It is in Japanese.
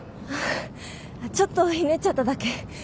うんちょっとひねっちゃっただけ。